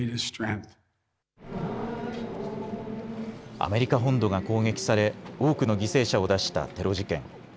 アメリカ本土が攻撃され多くの犠牲者を出したテロ事件。